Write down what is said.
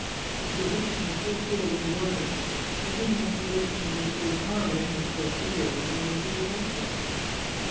His position was so full of enjoyment, his intimate relations with so charming and so pretty a woman were so delightful